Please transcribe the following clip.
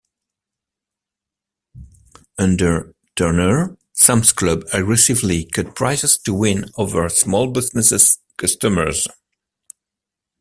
Under Turner, Sam's Club aggressively cut prices to win over small-business customers.